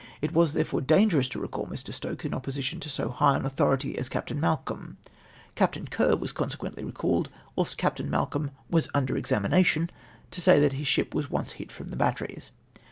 It was therefore danirerous to recal Mr. Stokes in opposition to so high an authority as Captam Mal colm ; Captain Kerr was consequently recalled wliilst Captain Malcolm iras under examination I to say tliat his ship was once hit from the batteries.